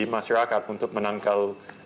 masyarakat untuk menangkal